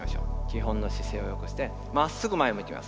基本の姿勢をよくしてまっすぐ前を向きます。